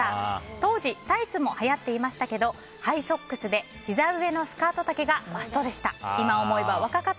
当時、タイツもはやっていましたけどハイソックスでひざ上のスカート丈がマストでした。